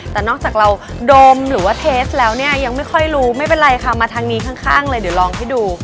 แต่นอกจากเราดมหรือว่าเทสแล้วเนี่ยยังไม่ค่อยรู้ไม่เป็นไรค่ะมาทางนี้ข้างเลยเดี๋ยวลองให้ดู